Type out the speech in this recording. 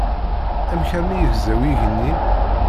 Amek armi zegzaw yigenni?